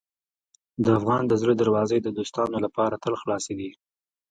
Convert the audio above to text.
د افغان د زړه دروازې د دوستانو لپاره تل خلاصې دي.